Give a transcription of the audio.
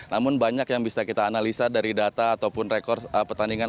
namun banyak yang bisa kita analisa dari data ataupun rekor pertandingan